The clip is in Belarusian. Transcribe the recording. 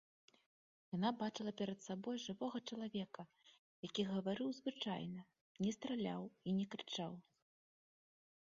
Яна бачыла перад сабой жывога чалавека, які гаварыў звычайна, не страляў і не крычаў.